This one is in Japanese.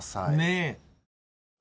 ねえ。